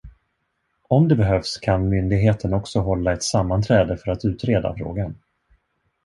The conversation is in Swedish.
Om det behövs, kan myndigheten också hålla ett sammanträde för att utreda frågan.